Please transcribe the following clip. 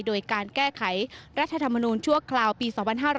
โดยการแก้ไขรัฐธรรมนูญชั่วคราวปี๒๕๕๙